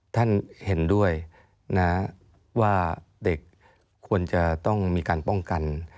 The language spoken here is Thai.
ท่านเห็นด้วยนะว่าเด็กควรจะต้องมีการป้องกัน